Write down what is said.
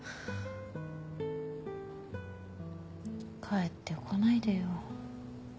帰ってこないでよ